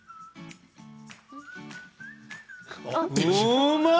うまい！